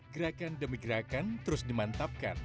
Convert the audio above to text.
gerakan demi gerakan terus dimantapkan